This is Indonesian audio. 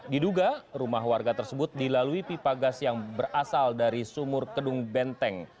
diduga rumah warga tersebut dilalui pipa gas yang berasal dari sumur kedung benteng